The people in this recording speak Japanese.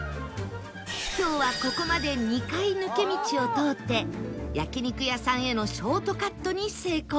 今日はここまで２回抜け道を通って焼肉屋さんへのショートカットに成功